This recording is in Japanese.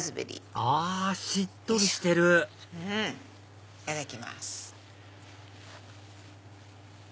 あしっとりしてるいただきます。